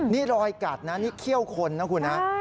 นี่รอยกัดนะนี่เขี้ยวคนนะคุณฮะ